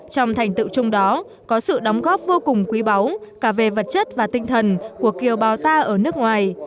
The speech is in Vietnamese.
trong thành tựu chung đó có sự đóng góp vô cùng quý báu cả về vật chất và tinh thần của kiều bào ta ở nước ngoài